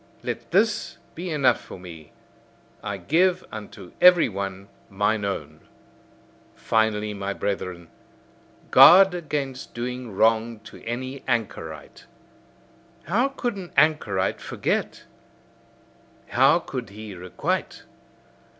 Let this be enough for me: I give unto every one mine own. Finally, my brethren, guard against doing wrong to any anchorite. How could an anchorite forget! How could he requite!